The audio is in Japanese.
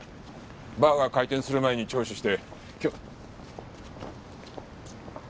バーが開店する前に聴取して今日。